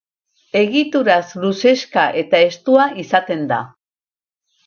Egituraz luzexka eta estua izaten da.